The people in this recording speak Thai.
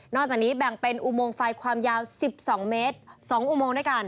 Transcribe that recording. จากนี้แบ่งเป็นอุโมงไฟความยาว๑๒เมตร๒อุโมงด้วยกัน